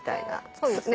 そうですね。